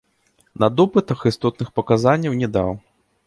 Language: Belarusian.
На допытах істотных паказанняў не даў.